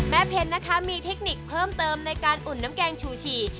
เพ็ญนะคะมีเทคนิคเพิ่มเติมในการอุ่นน้ำแกงชูชี